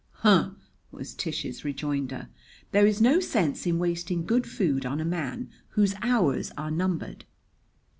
"Huh!" was Tish's rejoinder. "There is no sense is wasting good food on a man whose hours are numbered."